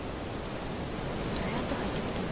どうやって入ってきたの？